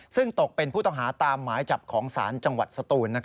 ซึ่งตกเป็นผู้ต้องหาตามหมายจับของศาลจังหวัดสตูน